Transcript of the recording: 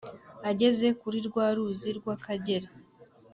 Ageze kuri rwa ruzi rw'akagera